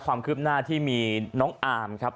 ความคืบหน้าที่มีน้องอาร์มครับ